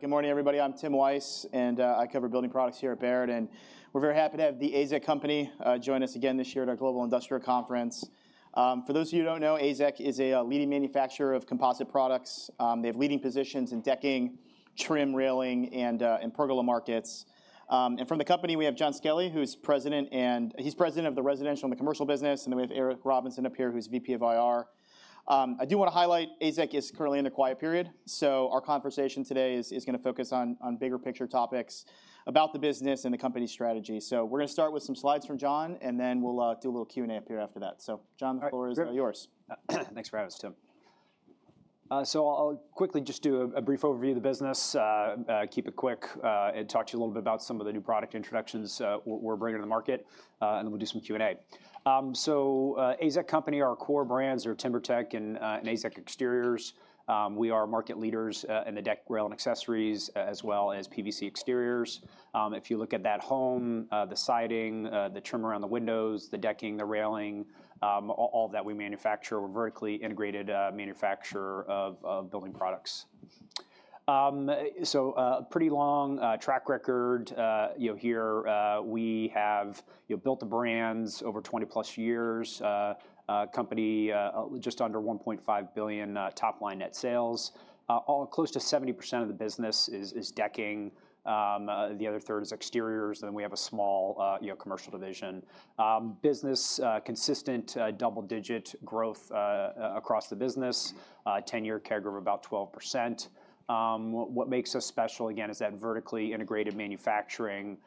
Good morning, everybody. I'm Tim Wojs, and I cover building products here at Baird. And we're very happy to have the AZEK Company join us again this year at our Global Industrial Conference. For those of you who don't know, AZEK is a leading manufacturer of composite products. They have leading positions in decking, trim, railing, and pergola markets. And from the company, we have Jon Skelly, who's President of the Residential and Commercial business. And then we have Eric Robinson up here, who's VP of IR. I do want to highlight AZEK is currently in a quiet period. So our conversation today is going to focus on bigger picture topics about the business and the company's strategy. So we're going to start with some slides from Jon, and then we'll do a little Q&A up here after that. So Jon, the floor is yours. Thanks for having us, Tim. So I'll quickly just do a brief overview of the business, keep it quick, and talk to you a little bit about some of the new product introductions we're bringing to the market. And then we'll do some Q&A. So AZEK Company, our core brands are TimberTech and AZEK Exteriors. We are market leaders in the deck, rail, and accessories, as well as PVC exteriors. If you look at that home, the siding, the trim around the windows, the decking, the railing, all of that we manufacture. We're a vertically integrated manufacturer of building products. So a pretty long track record here. We have built the brands over 20-plus years. Company just under $1.5 billion top-line net sales. Close to 70% of the business is decking. The other third is exteriors. Then we have a small commercial division. Business consistent double-digit growth across the business, 10-year CAGR of about 12%. What makes us special, again, is that vertically integrated manufacturing,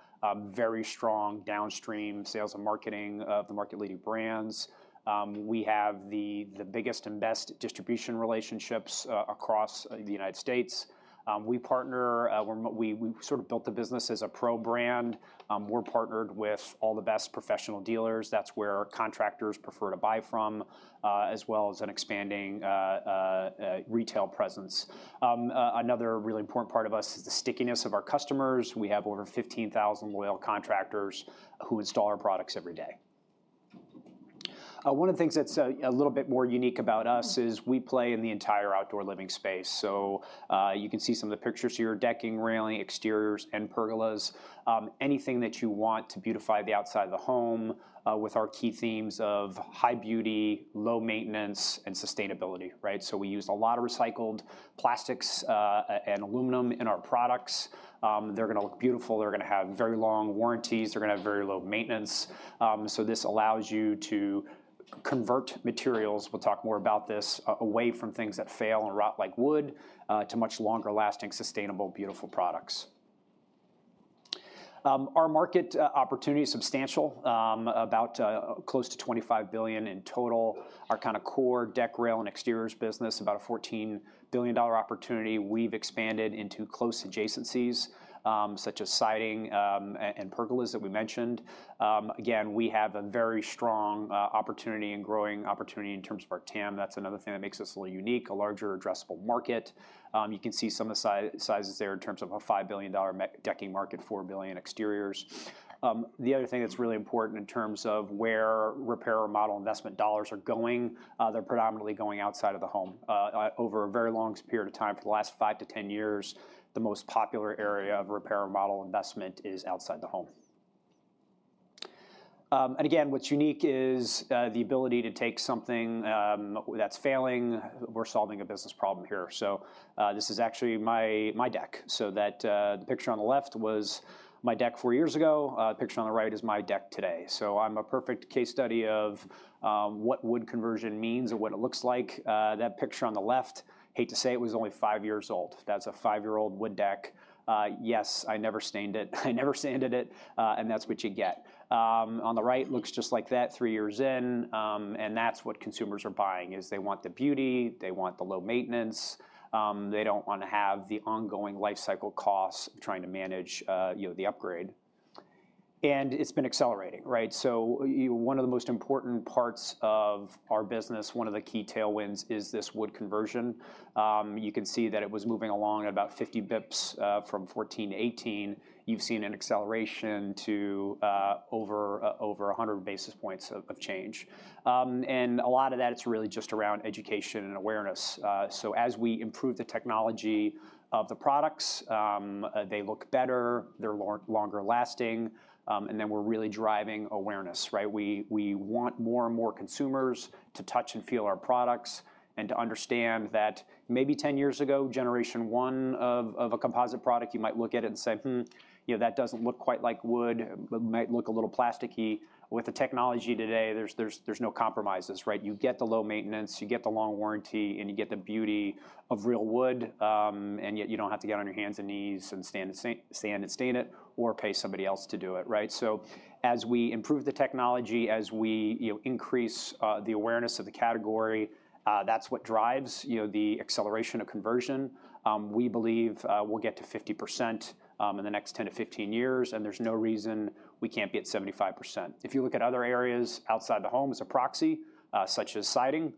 very strong downstream sales and marketing of the market-leading brands. We have the biggest and best distribution relationships across the United States. We partner. We sort of built the business as a pro brand. We're partnered with all the best professional dealers. That's where contractors prefer to buy from, as well as an expanding retail presence. Another really important part of us is the stickiness of our customers. We have over 15,000 loyal contractors who install our products every day. One of the things that's a little bit more unique about us is we play in the entire outdoor living space. So you can see some of the pictures here: decking, railing, exteriors, and pergolas. Anything that you want to beautify the outside of the home with our key themes of high beauty, low maintenance, and sustainability. So we use a lot of recycled plastics and aluminum in our products. They're going to look beautiful. They're going to have very long warranties. They're going to have very low maintenance. So this allows you to convert materials (we'll talk more about this) away from things that fail and rot like wood to much longer-lasting, sustainable, beautiful products. Our market opportunity is substantial, about close to $25 billion in total. Our kind of core deck, rail, and exteriors business, about a $14 billion opportunity. We've expanded into close adjacencies, such as siding and pergolas that we mentioned. Again, we have a very strong opportunity and growing opportunity in terms of our TAM. That's another thing that makes us a little unique: a larger, addressable market. You can see some of the sizes there in terms of a $5 billion decking market, $4 billion exteriors. The other thing that's really important in terms of where repair and remodel investment dollars are going, they're predominantly going outside of the home. Over a very long period of time, for the last five to 10 years, the most popular area of repair and remodel investment is outside the home. Again, what's unique is the ability to take something that's failing. We're solving a business problem here. So this is actually my deck. So the picture on the left was my deck four years ago. The picture on the right is my deck today. So I'm a perfect case study of what wood conversion means and what it looks like. That picture on the left, I hate to say it was only five years old. That's a five-year-old wood deck. Yes, I never stained it. I never sanded it, and that's what you get. On the right, it looks just like that three years in, and that's what consumers are buying, is they want the beauty. They want the low maintenance. They don't want to have the ongoing lifecycle costs of trying to manage the upgrade, and it's been accelerating, so one of the most important parts of our business, one of the key tailwinds, is this wood conversion. You can see that it was moving along at about 50 bps from 2014 to 2018. You've seen an acceleration to over 100 basis points of change, and a lot of that, it's really just around education and awareness, so as we improve the technology of the products, they look better. They're longer lasting, and then we're really driving awareness. We want more and more consumers to touch and feel our products and to understand that maybe 10 years ago, generation one of a composite product, you might look at it and say, that doesn't look quite like wood. It might look a little plasticky. With the technology today, there's no compromises. You get the low maintenance. You get the long warranty. And you get the beauty of real wood. And yet you don't have to get on your hands and knees and sand and stain it or pay somebody else to do it. So as we improve the technology, as we increase the awareness of the category, that's what drives the acceleration of conversion. We believe we'll get to 50% in the next 10-15 years. And there's no reason we can't be at 75%. If you look at other areas outside the home as a proxy, such as siding,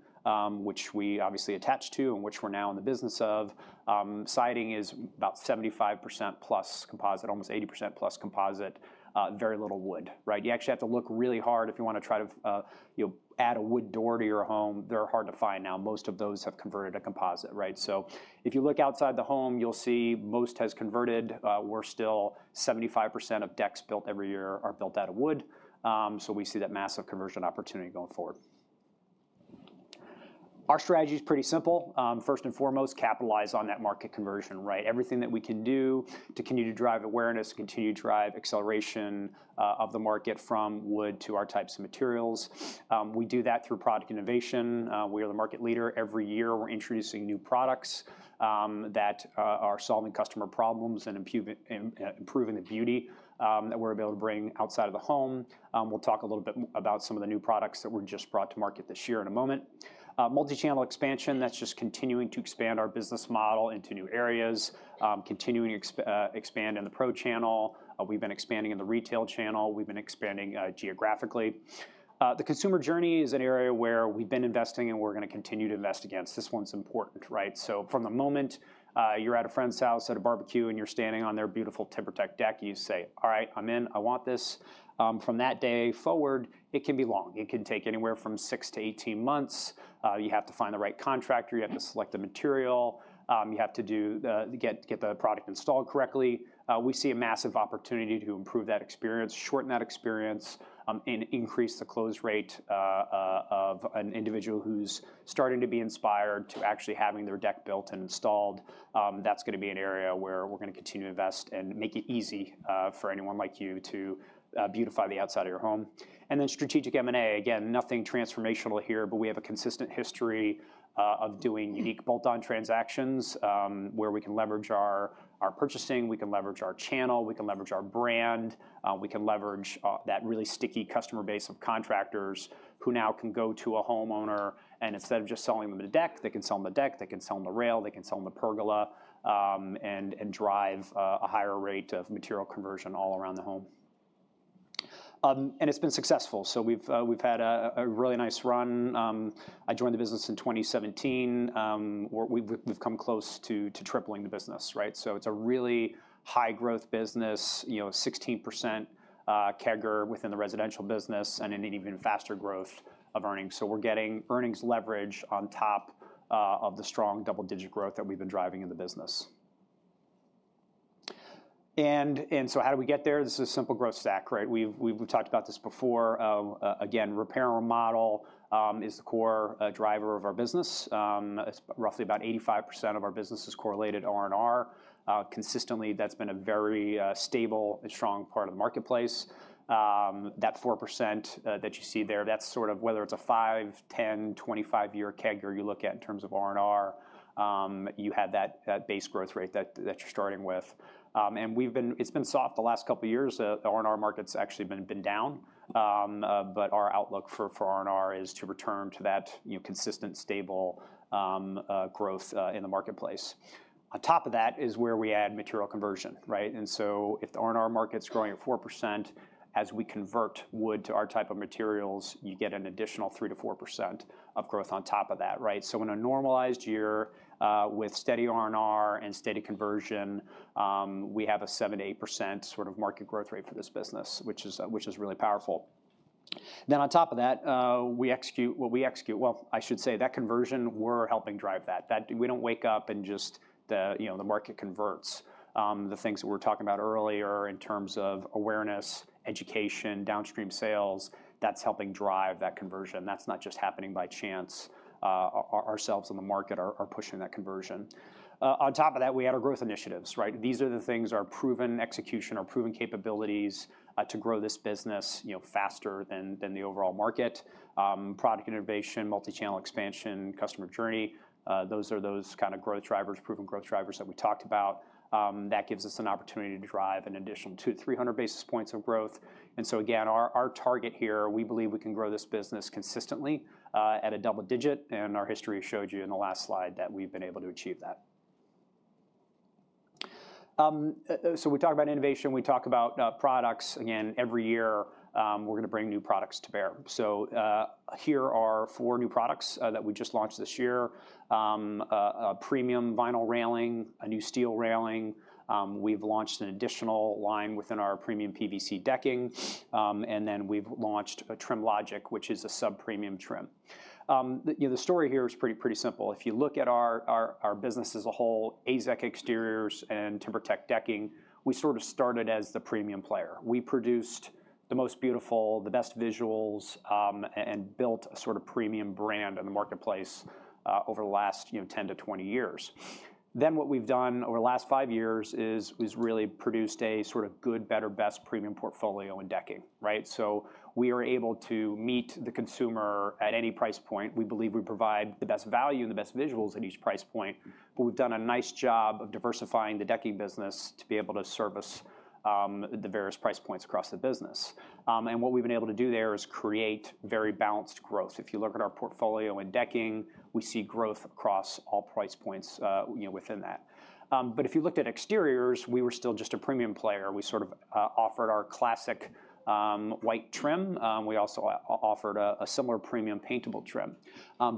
which we obviously attach to and which we're now in the business of, siding is about 75% plus composite, almost 80% plus composite, very little wood. You actually have to look really hard if you want to try to add a wood door to your home. They're hard to find now. Most of those have converted to composite. So if you look outside the home, you'll see most has converted. We're still 75% of decks built every year are built out of wood. So we see that massive conversion opportunity going forward. Our strategy is pretty simple. First and foremost, capitalize on that market conversion. Everything that we can do to continue to drive awareness, continue to drive acceleration of the market from wood to our types of materials. We do that through product innovation. We are the market leader. Every year, we're introducing new products that are solving customer problems and improving the beauty that we're able to bring outside of the home. We'll talk a little bit about some of the new products that were just brought to market this year in a moment. Multichannel expansion, that's just continuing to expand our business model into new areas, continuing to expand in the pro channel. We've been expanding in the retail channel. We've been expanding geographically. The consumer journey is an area where we've been investing and we're going to continue to invest against. This one's important. So from the moment you're at a friend's house at a barbecue and you're standing on their beautiful TimberTech deck, you say, all right, I'm in. I want this. From that day forward, it can be long. It can take anywhere from six to 18 months. You have to find the right contractor. You have to select the material. You have to get the product installed correctly. We see a massive opportunity to improve that experience, shorten that experience, and increase the close rate of an individual who's starting to be inspired to actually having their deck built and installed. That's going to be an area where we're going to continue to invest and make it easy for anyone like you to beautify the outside of your home. And then strategic M&A. Again, nothing transformational here, but we have a consistent history of doing unique bolt-on transactions where we can leverage our purchasing. We can leverage our channel. We can leverage our brand. We can leverage that really sticky customer base of contractors who now can go to a homeowner. And instead of just selling them a deck, they can sell them a deck. They can sell them a rail. They can sell them a pergola and drive a higher rate of material conversion all around the home. And it's been successful. So we've had a really nice run. I joined the business in 2017. We've come close to tripling the business. So it's a really high-growth business, 16% CAGR within the residential business, and an even faster growth of earnings. So we're getting earnings leverage on top of the strong double-digit growth that we've been driving in the business. And so how did we get there? This is a simple growth stack. We've talked about this before. Again, repair and remodel is the core driver of our business. Roughly about 85% of our business is correlated R&R. Consistently, that's been a very stable and strong part of the marketplace. That 4% that you see there, that's sort of whether it's a 5, 10, 25-year CAGR you look at in terms of R&R, you have that base growth rate that you're starting with. And it's been soft the last couple of years. The R&R market's actually been down. But our outlook for R&R is to return to that consistent, stable growth in the marketplace. On top of that is where we add material conversion. And so if the R&R market's growing at 4%, as we convert wood to our type of materials, you get an additional 3%-4% of growth on top of that. So in a normalized year with steady R&R and steady conversion, we have a 7%-8% sort of market growth rate for this business, which is really powerful. Then on top of that, we execute what we execute. I should say that conversion; we're helping drive that. We don't wake up and just the market converts. The things that we were talking about earlier in terms of awareness, education, downstream sales; that's helping drive that conversion. That's not just happening by chance. Our sales in the market are pushing that conversion. On top of that, we add our growth initiatives. These are the things, our proven execution, our proven capabilities to grow this business faster than the overall market. Product innovation, multichannel expansion, customer journey; those are those kind of growth drivers, proven growth drivers that we talked about. That gives us an opportunity to drive an additional 200-300 basis points of growth. So again, our target here, we believe we can grow this business consistently at a double digit. Our history showed you in the last slide that we've been able to achieve that. So we talk about innovation. We talk about products. Again, every year, we're going to bring new products to bear. So here are four new products that we just launched this year: a premium vinyl railing, a new steel railing. We've launched an additional line within our premium PVC decking. And then we've launched a TrimLogic, which is a sub-premium trim. The story here is pretty simple. If you look at our business as a whole, AZEK Exteriors and TimberTech decking, we sort of started as the premium player. We produced the most beautiful, the best visuals, and built a sort of premium brand in the marketplace over the last 10 to 20 years. What we've done over the last five years is we've really produced a sort of good, better, best premium portfolio in decking. We are able to meet the consumer at any price point. We believe we provide the best value and the best visuals at each price point. We've done a nice job of diversifying the decking business to be able to service the various price points across the business. What we've been able to do there is create very balanced growth. If you look at our portfolio in decking, we see growth across all price points within that. If you looked at exteriors, we were still just a premium player. We sort of offered our classic white trim. We also offered a similar premium paintable trim.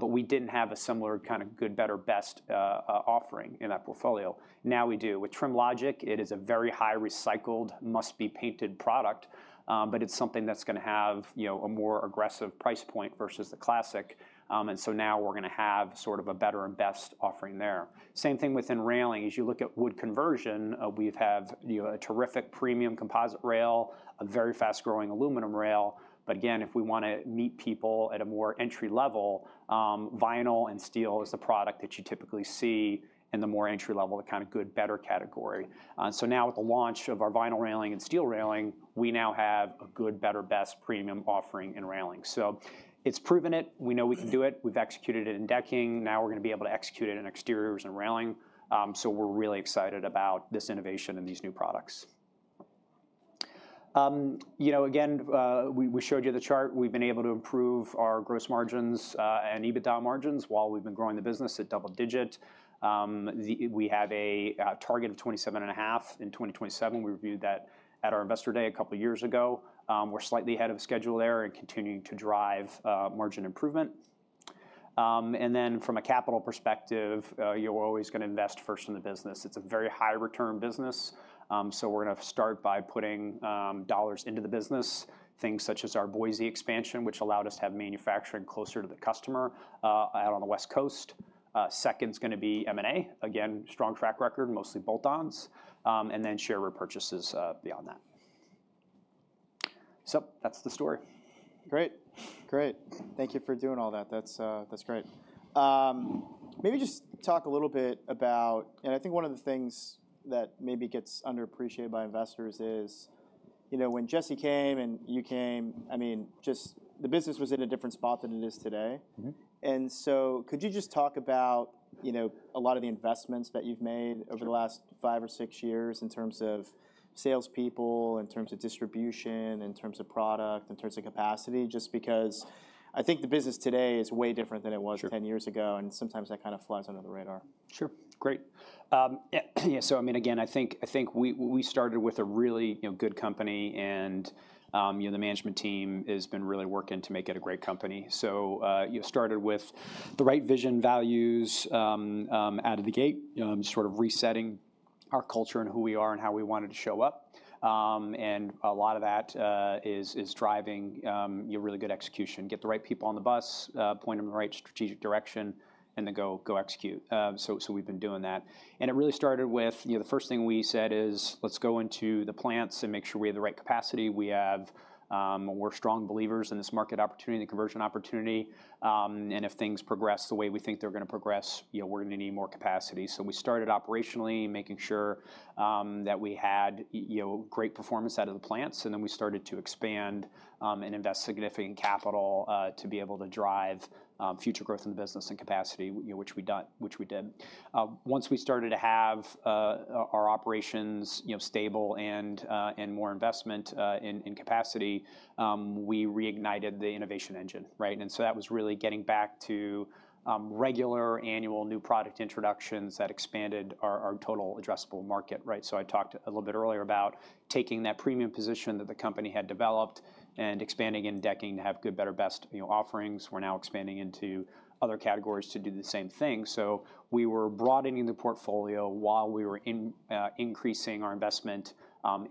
We didn't have a similar kind of good, better, best offering in that portfolio. Now we do. With TrimLogic, it is a very high-recycled, must-be-painted product. But it's something that's going to have a more aggressive price point versus the classic. And so now we're going to have sort of a better and best offering there. Same thing within railing. As you look at wood conversion, we have a terrific premium composite rail, a very fast-growing aluminum rail. But again, if we want to meet people at a more entry level, vinyl and steel is the product that you typically see in the more entry-level, the kind of good, better category. So now with the launch of our vinyl railing and steel railing, we now have a good, better, best premium offering in railing. So it's proven it. We know we can do it. We've executed it in decking. Now we're going to be able to execute it in exteriors and railing. So we're really excited about this innovation and these new products. Again, we showed you the chart. We've been able to improve our gross margins and EBITDA margins while we've been growing the business at double-digit. We have a target of 27.5 in 2027. We reviewed that at our investor day a couple of years ago. We're slightly ahead of schedule there and continuing to drive margin improvement. And then from a capital perspective, you're always going to invest first in the business. It's a very high-return business. So we're going to start by putting dollars into the business, things such as our Boise expansion, which allowed us to have manufacturing closer to the customer out on the West Coast. Second's going to be M&A. Again, strong track record, mostly bolt-ons. And then share repurchases beyond that. So that's the story. Great. Great. Thank you for doing all that. That's great. Maybe just talk a little bit about, and I think one of the things that maybe gets underappreciated by investors is when Jesse came and you came. I mean, just the business was in a different spot than it is today. And so could you just talk about a lot of the investments that you've made over the last five or six years in terms of salespeople, in terms of distribution, in terms of product, in terms of capacity, just because I think the business today is way different than it was 10 years ago. And sometimes that kind of flies under the radar. Sure. Great. Yeah. So, I mean, again, I think we started with a really good company, and the management team has been really working to make it a great company, so started with the right vision values out of the gate, sort of resetting our culture and who we are and how we wanted to show up, and a lot of that is driving really good execution. Get the right people on the bus, point them in the right strategic direction, and then go execute, so we've been doing that, and it really started with the first thing we said is, let's go into the plants and make sure we have the right capacity. We're strong believers in this market opportunity, the conversion opportunity, and if things progress the way we think they're going to progress, we're going to need more capacity. So we started operationally making sure that we had great performance out of the plants. And then we started to expand and invest significant capital to be able to drive future growth in the business and capacity, which we did. Once we started to have our operations stable and more investment in capacity, we reignited the innovation engine. And so that was really getting back to regular annual new product introductions that expanded our total addressable market. So I talked a little bit earlier about taking that premium position that the company had developed and expanding in decking to have good, better, best offerings. We're now expanding into other categories to do the same thing. So we were broadening the portfolio while we were increasing our investment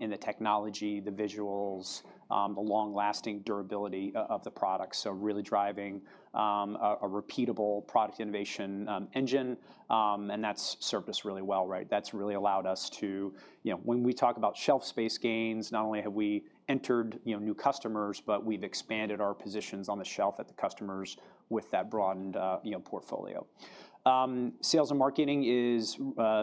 in the technology, the visuals, the long-lasting durability of the product. So really driving a repeatable product innovation engine. That's served us really well. That's really allowed us to, when we talk about shelf space gains, not only have we entered new customers, but we've expanded our positions on the shelf at the customers with that broadened portfolio. Sales and marketing is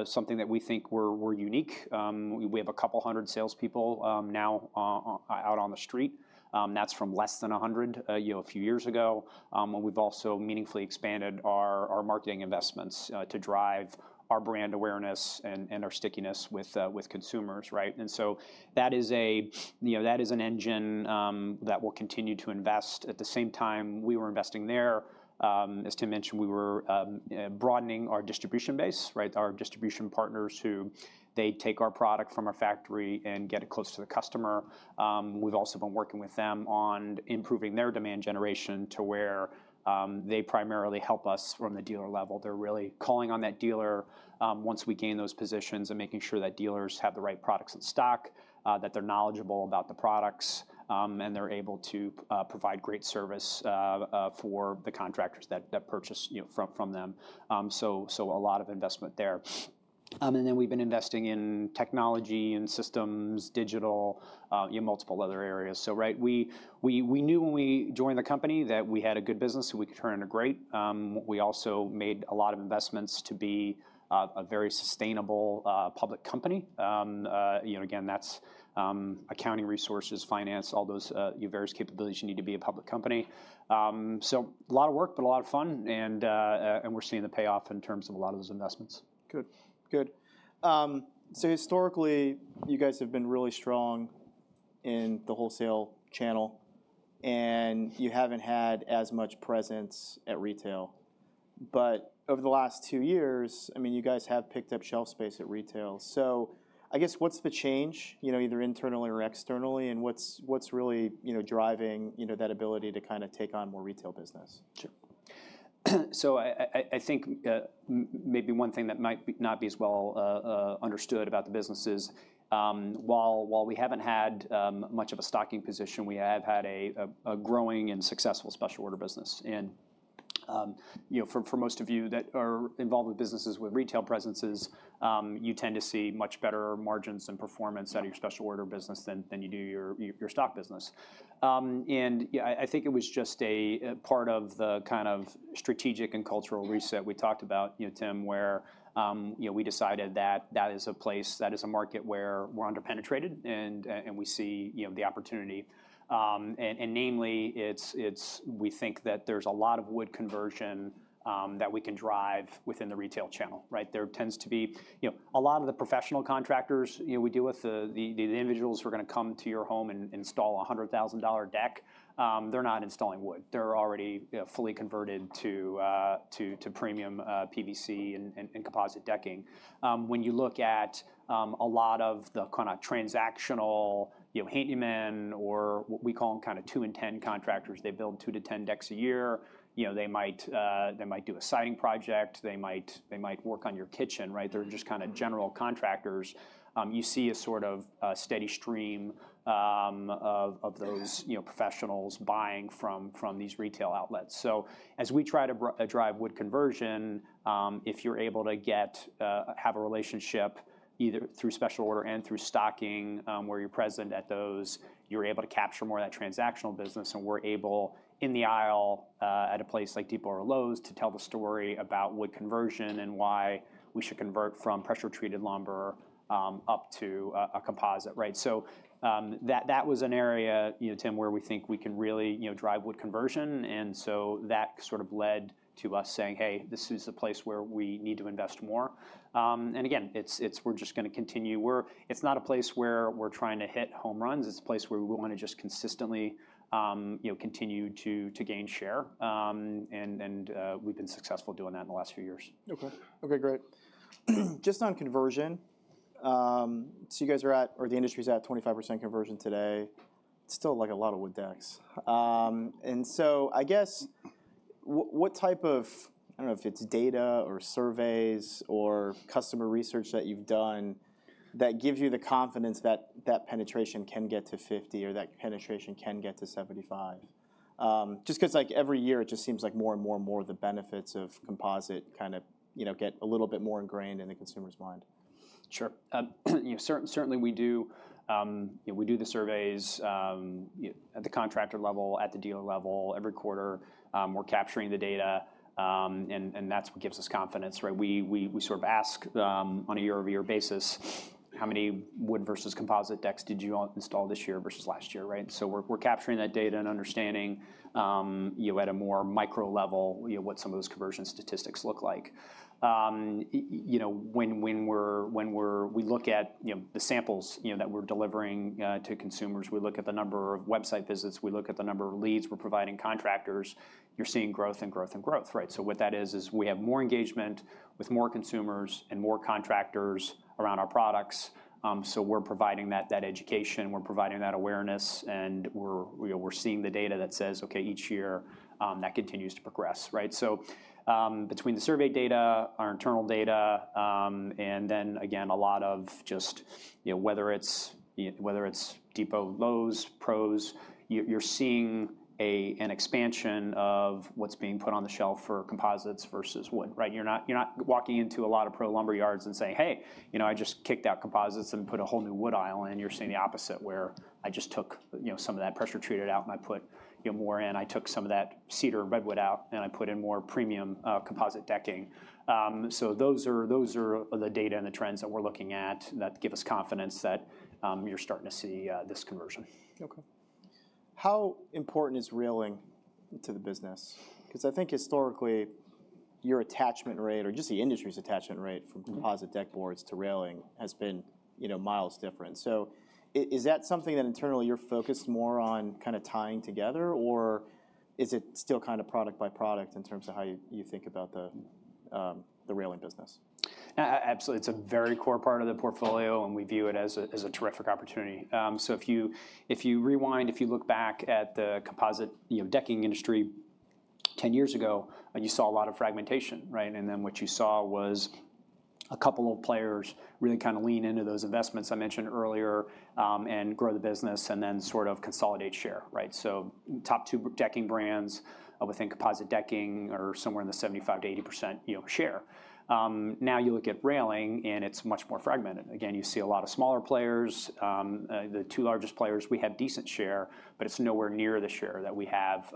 something that we think we're unique. We have a couple hundred salespeople now out on the street. That's from less than 100 a few years ago. We've also meaningfully expanded our marketing investments to drive our brand awareness and our stickiness with consumers. So that is an engine that we'll continue to invest. At the same time, we were investing there. As Tim mentioned, we were broadening our distribution base, our distribution partners who they take our product from our factory and get it close to the customer. We've also been working with them on improving their demand generation to where they primarily help us from the dealer level. They're really calling on that dealer once we gain those positions and making sure that dealers have the right products in stock, that they're knowledgeable about the products, and they're able to provide great service for the contractors that purchase from them, so a lot of investment there, and then we've been investing in technology and systems, digital, multiple other areas, so we knew when we joined the company that we had a good business and we could turn it great. We also made a lot of investments to be a very sustainable public company. Again, that's accounting resources, finance, all those various capabilities you need to be a public company, so a lot of work, but a lot of fun. We're seeing the payoff in terms of a lot of those investments. Good. Good, so historically, you guys have been really strong in the wholesale channel, and you haven't had as much presence at retail, but over the last two years, I mean, you guys have picked up shelf space at retail, so I guess what's the change, either internally or externally, and what's really driving that ability to kind of take on more retail business? Sure. So I think maybe one thing that might not be as well understood about the business is while we haven't had much of a stocking position, we have had a growing and successful special order business. And for most of you that are involved with businesses with retail presences, you tend to see much better margins and performance out of your special order business than you do your stock business. And I think it was just a part of the kind of strategic and cultural reset we talked about, Tim, where we decided that that is a place, that is a market where we're underpenetrated and we see the opportunity. And namely, we think that there's a lot of wood conversion that we can drive within the retail channel. There tends to be a lot of the professional contractors we deal with, the individuals who are going to come to your home and install a $100,000 deck. They're not installing wood. They're already fully converted to premium PVC and composite decking. When you look at a lot of the kind of transactional handyman or what we call them kind of two-to-10 contractors, they build two to 10 decks a year. They might do a siding project. They might work on your kitchen. They're just kind of general contractors. You see a sort of steady stream of those professionals buying from these retail outlets. So as we try to drive wood conversion, if you're able to have a relationship either through special order and through stocking where you're present at those, you're able to capture more of that transactional business. And we're able in the aisle at a place like Depot or Lowe's to tell the story about wood conversion and why we should convert from pressure-treated lumber up to a composite. So that was an area, Tim, where we think we can really drive wood conversion. And so that sort of led to us saying, hey, this is a place where we need to invest more. And again, we're just going to continue. It's not a place where we're trying to hit home runs. It's a place where we want to just consistently continue to gain share. And we've been successful doing that in the last few years. OK. OK, great. Just on conversion, so you guys are at, or the industry's at 25% conversion today. It's still like a lot of wood decks. And so I guess what type of, I don't know if it's data or surveys or customer research that you've done that gives you the confidence that that penetration can get to 50 or that penetration can get to 75? Just because every year it just seems like more and more and more of the benefits of composite kind of get a little bit more ingrained in the consumer's mind. Sure. Certainly, we do. We do the surveys at the contractor level, at the dealer level. Every quarter, we're capturing the data. And that's what gives us confidence. We sort of ask on a year-over-year basis, how many wood versus composite decks did you install this year versus last year? So we're capturing that data and understanding at a more micro level what some of those conversion statistics look like. When we look at the samples that we're delivering to consumers, we look at the number of website visits. We look at the number of leads we're providing contractors. You're seeing growth and growth and growth. So what that is, is we have more engagement with more consumers and more contractors around our products. So we're providing that education. We're providing that awareness. And we're seeing the data that says, OK, each year that continues to progress. So between the survey data, our internal data, and then again, a lot of just whether it's Depot, Lowe's, pros, you're seeing an expansion of what's being put on the shelf for composites versus wood. You're not walking into a lot of pro lumber yards and saying, hey, I just kicked out composites and put a whole new wood aisle. And you're seeing the opposite, where I just took some of that pressure-treated out and I put more in. I took some of that cedar, redwood out and I put in more premium composite decking. So those are the data and the trends that we're looking at that give us confidence that you're starting to see this conversion. OK. How important is railing to the business? Because I think historically, your attachment rate or just the industry's attachment rate from composite deck boards to railing has been miles different. So is that something that internally you're focused more on kind of tying together? Or is it still kind of product by product in terms of how you think about the railing business? Absolutely. It's a very core part of the portfolio. And we view it as a terrific opportunity. So if you rewind, if you look back at the composite decking industry 10 years ago, you saw a lot of fragmentation. And then what you saw was a couple of players really kind of lean into those investments I mentioned earlier and grow the business and then sort of consolidate share. So top two decking brands within composite decking are somewhere in the 75%-80% share. Now you look at railing and it's much more fragmented. Again, you see a lot of smaller players. The two largest players, we have decent share, but it's nowhere near the share that we have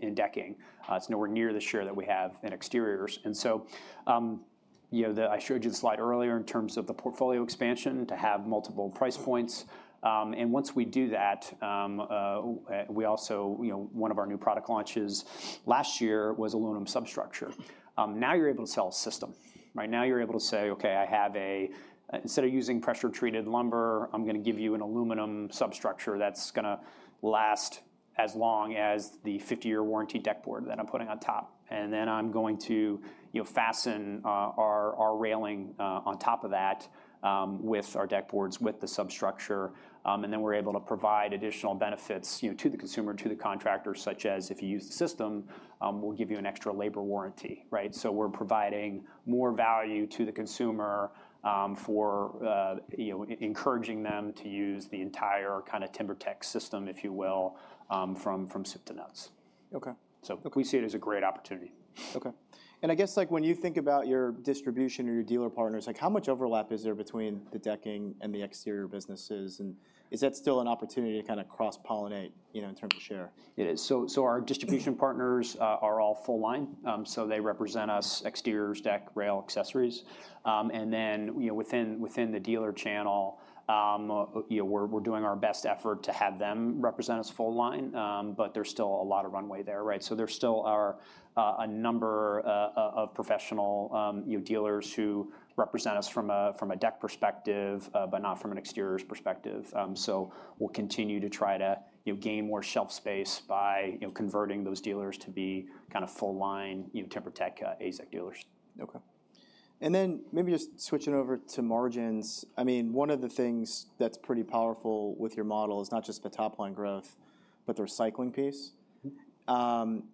in decking. It's nowhere near the share that we have in exteriors. And so I showed you the slide earlier in terms of the portfolio expansion to have multiple price points. And once we do that, we also one of our new product launches last year was aluminum substructure. Now you're able to sell a system. Now you're able to say, OK, I have, instead of using pressure-treated lumber, I'm going to give you an aluminum substructure that's going to last as long as the 50-year warranty deck board that I'm putting on top. And then I'm going to fasten our railing on top of that with our deck boards with the substructure. And then we're able to provide additional benefits to the consumer, to the contractor, such as if you use the system, we'll give you an extra labor warranty. So we're providing more value to the consumer for encouraging them to use the entire kind of TimberTech system, if you will, from soup to nuts. So we see it as a great opportunity. OK, and I guess when you think about your distribution or your dealer partners, how much overlap is there between the decking and the exterior businesses? And is that still an opportunity to kind of cross-pollinate in terms of share? It is. So our distribution partners are all full line. So they represent our exteriors, deck, rail, accessories. And then within the dealer channel, we're doing our best effort to have them represent us full line. But there's still a lot of runway there. So there still are a number of professional dealers who represent us from a deck perspective but not from an exteriors perspective. So we'll continue to try to gain more shelf space by converting those dealers to be kind of full line TimberTech AZEK dealers. OK. And then maybe just switching over to margins. I mean, one of the things that's pretty powerful with your model is not just the top line growth, but the recycling piece.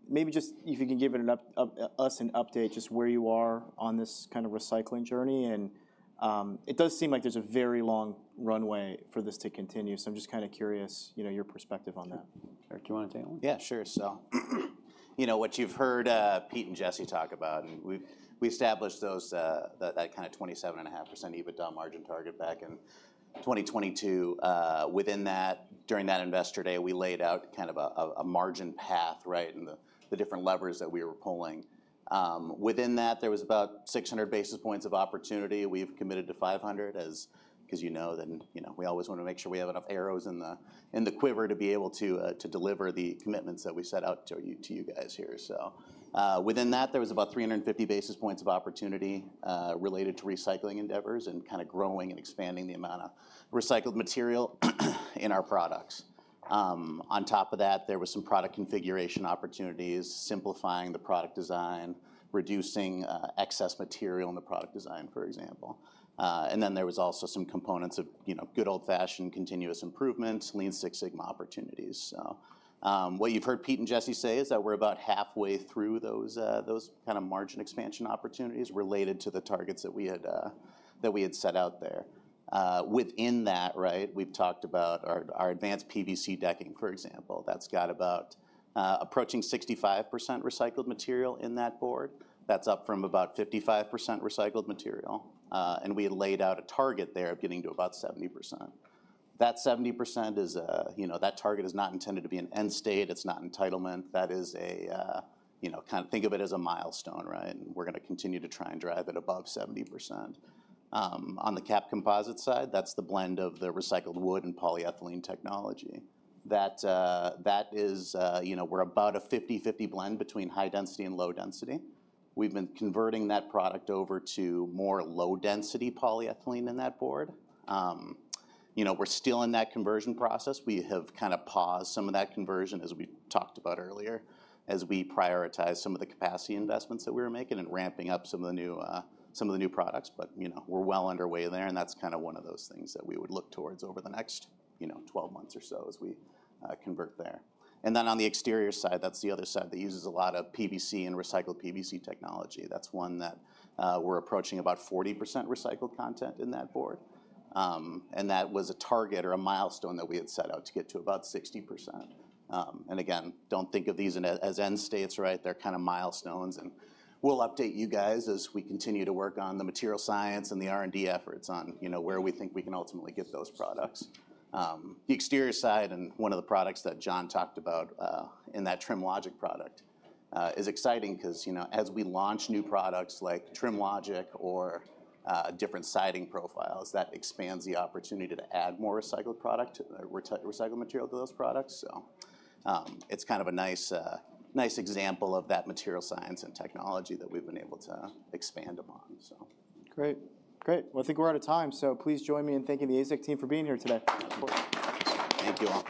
Maybe just if you can give us an update just where you are on this kind of recycling journey. And it does seem like there's a very long runway for this to continue. So I'm just kind of curious your perspective on that. Eric, do you want to take one? Yeah, sure. So what you've heard Pete and Jesse talk about, we established that kind of 27.5% EBITDA margin target back in 2022. Within that, during that investor day, we laid out kind of a margin path and the different levers that we were pulling. Within that, there was about 600 basis points of opportunity. We've committed to 500. As you know, then we always want to make sure we have enough arrows in the quiver to be able to deliver the commitments that we set out to you guys here. So within that, there was about 350 basis points of opportunity related to recycling endeavors and kind of growing and expanding the amount of recycled material in our products. On top of that, there were some product configuration opportunities, simplifying the product design, reducing excess material in the product design, for example. Then there was also some components of good old-fashioned continuous improvements, Lean Six Sigma opportunities. What you've heard Pete and Jesse say is that we're about halfway through those kind of margin expansion opportunities related to the targets that we had set out there. Within that, we've talked about our advanced PVC decking, for example. That's got about approaching 65% recycled material in that board. That's up from about 55% recycled material. We had laid out a target there of getting to about 70%. That 70%, that target is not intended to be an end state. It's not entitlement. That is a kind of think of it as a milestone. We're going to continue to try and drive it above 70%. On the capped composite side, that's the blend of the recycled wood and polyethylene technology. That is, we're about a 50/50 blend between high density and low density. We've been converting that product over to more low density polyethylene in that board. We're still in that conversion process. We have kind of paused some of that conversion, as we talked about earlier, as we prioritize some of the capacity investments that we were making and ramping up some of the new products, but we're well underway there, and that's kind of one of those things that we would look towards over the next 12 months or so as we convert there, and then on the exterior side, that's the other side that uses a lot of PVC and recycled PVC technology. That's one that we're approaching about 40% recycled content in that board, and that was a target or a milestone that we had set out to get to about 60%. And again, don't think of these as end states. They're kind of milestones. And we'll update you guys as we continue to work on the material science and the R&D efforts on where we think we can ultimately get those products. The exterior side and one of the products that John talked about in that TrimLogic product is exciting because as we launch new products like TrimLogic or different siding profiles, that expands the opportunity to add more recycled product or recycled material to those products. So it's kind of a nice example of that material science and technology that we've been able to expand upon. Great. Great. Well, I think we're out of time. So please join me in thanking the AZEK team for being here today. Thank you all.